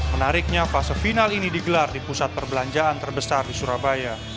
menariknya fase final ini digelar di pusat perbelanjaan terbesar di surabaya